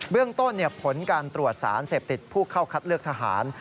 เรื่องต้นผลการตรวจสารเสพติดผู้เข้าคัดเลือกทหาร